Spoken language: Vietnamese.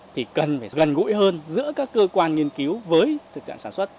thì cần phải gần gũi hơn giữa các cơ quan nghiên cứu với thực trạng sản xuất